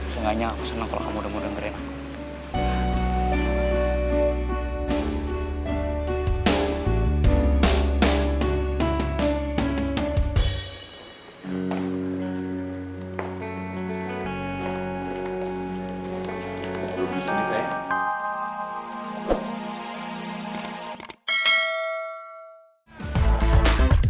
seenggaknya aku senang kalau kamu udah mau dengerin aku